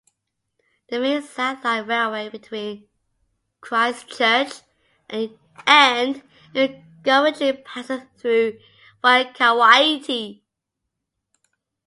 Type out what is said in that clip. The Main South Line railway between Christchurch and Invercargill passes through Waikouaiti.